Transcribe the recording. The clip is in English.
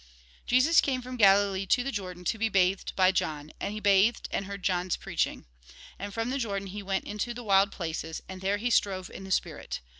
Jesus came from Galilee to the Jordan to be bathed by John ; and he bathed, and heard John's preaching. And from the Jordan he went into the wild places, and there he strove in the spirit.